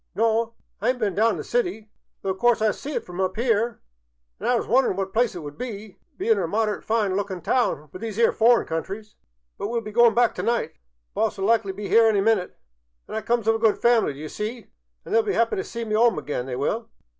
.. No, I ayn't been down t' the city, though o' course I see it from up 'ere, an' I was wonderin' what place it would be, bein' a moderate fine lookin' town fer these 'ere foreign countries. But we '11 be goin' back t'night ; the boss '11 likely be 'ere any minute. An' I comes of a good family, d' ye see, an' they '11 be 'appy t' see me 'ome again, they will.